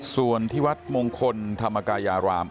ส่วนที่วัดมงคลธรรมกายาราม